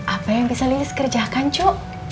apa yang bisa lilis kerjakan cuk